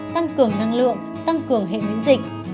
tăng cường năng lượng tăng cường hệ miễn dịch